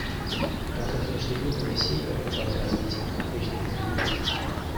Разрыв между Югом и Севером в плане развития по-прежнему велик.